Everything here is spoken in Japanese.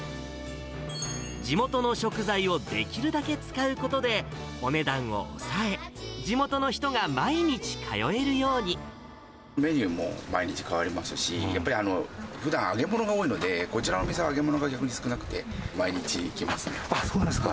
地元の食材をできるだけ使うことで、お値段を抑え、地元の人が毎メニューも毎日変わりますし、やっぱりふだん揚げ物が多いので、こちらの店は逆に少なくて、そうですか。